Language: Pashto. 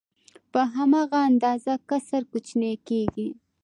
په هماغه اندازه کسر کوچنی کېږي